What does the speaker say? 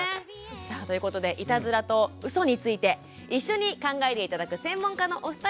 さあということでいたずらとうそについて一緒に考えて頂く専門家のお二人にご登場頂きましょう。